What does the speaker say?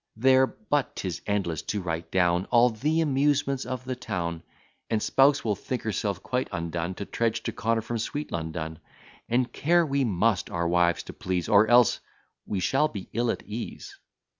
There but 'tis endless to write down All the amusements of the town; And spouse will think herself quite undone, To trudge to Connor from sweet London; And care we must our wives to please, Or else we shall be ill at ease.